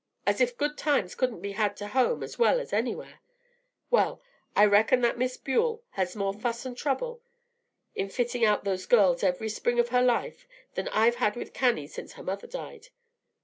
As if good times couldn't be had to home as well as anywhere! Why, I reckon that Miss Buell has more fuss and trouble in fitting out those girls every spring of her life than I've had with Cannie since her mother died.